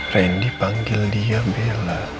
randy panggil dia bella